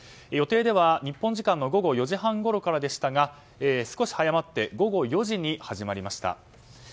予定では、日本時間の午後４時半ごろからでしたが少し早まって午後４時に始まりました。